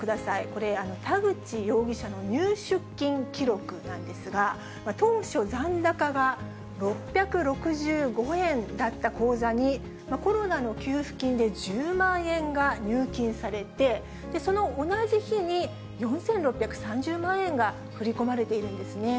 これ、田口容疑者の入出金記録なんですが、当初、残高が６６５円だった口座に、コロナの給付金で１０万円が入金されて、その同じ日に、４６３０万円が振り込まれているんですね。